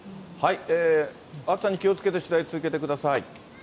暑さに気をつけて取材続けてください。